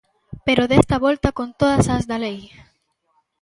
Pero desta volta con todas as da lei.